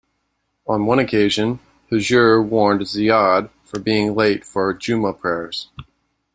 On one occasion, Hujr warned Ziyad for being late for Jummah prayers.